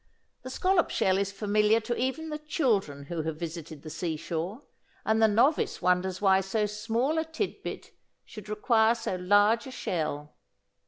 The scallop shell is familiar to even the children who have visited the seashore, and the novice wonders why so small a tidbit should require so large a shell.